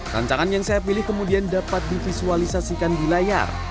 rancangan yang saya pilih kemudian dapat divisualisasikan di layar